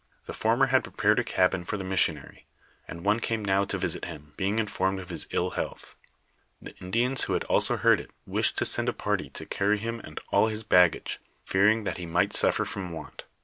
The former had prepared a cabin for the missionary, and one came now to visit him, being informed of his ill health ; the Indians who had also heard it, wished to send a party to carry him and all his bag gage, fearing that he might suffer from want.